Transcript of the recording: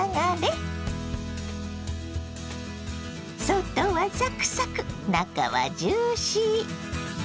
外はサクサク中はジューシー！